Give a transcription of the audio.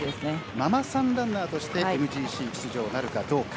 ママさんランナーとしてＭＧＣ出場なるかどうか。